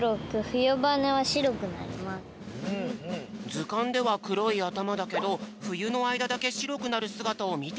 ずかんではくろいあたまだけどふゆのあいだだけしろくなるすがたをみてみたいんだって。